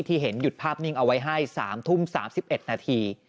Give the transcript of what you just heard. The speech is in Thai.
ที่เห็นหยุดภาพนิ่งเอาไว้ให้๓ทุ่ม๓๑นาที